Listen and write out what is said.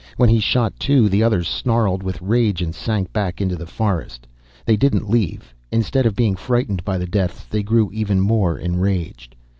When he shot two, the others snarled with rage and sank back into the forest. They didn't leave. Instead of being frightened by the deaths they grew even more enraged.